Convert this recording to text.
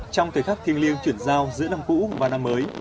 trong thời khắc thiêng liêng chuyển giao giữa năm cũ và năm mới